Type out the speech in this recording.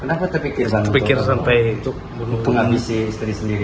kenapa terpikir bang untuk membunuh istri sendiri